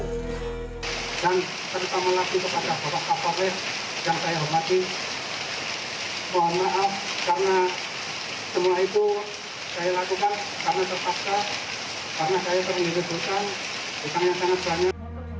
karena saya terlalu berusaha itu sangat sangat banyak